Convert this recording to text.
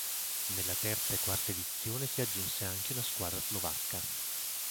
Nella terza e quarta edizione si aggiunse anche una squadra slovacca.